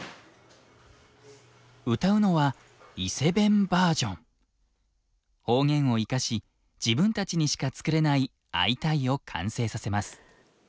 歌うのは方言を生かし自分たちにしか作れない「アイタイ！」を完成させます。